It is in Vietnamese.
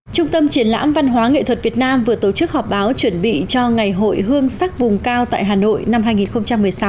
trung tâm triển lãm văn hóa nghệ thuật việt nam vừa tổ chức họp báo chuẩn bị cho ngày hội hương sắc vùng cao tại hà nội năm hai nghìn một mươi sáu